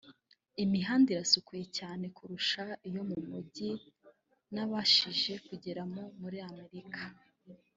Imihanda irasukuye cyane kurusha iyo mu mijyi nabashije kugeramo muri Amerika